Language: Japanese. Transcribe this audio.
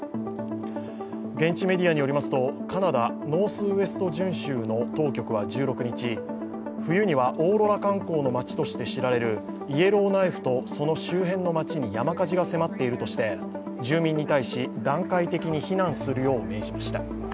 現地メディアによりますと、カナダ、ノースウエスト準州の当局は１６日、冬にはオーロラ観光の町として知られるイエローナイフとその周辺の町に山火事が迫っているとして住民に対し段階的に避難するよう命じました。